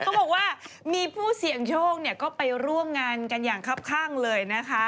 เขาบอกว่ามีผู้เสี่ยงโชคเนี่ยก็ไปร่วมงานกันอย่างคับข้างเลยนะคะ